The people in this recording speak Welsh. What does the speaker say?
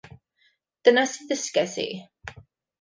Dyna sut ddysges i.